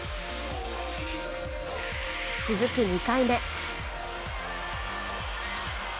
続く２回目。